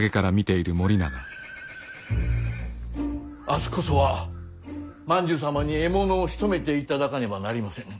明日こそは万寿様に獲物をしとめていただかねばなりませぬ。